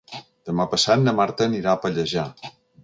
Demà passat na Marta anirà a Pallejà.